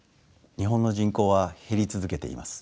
日本の人口は減り続けています。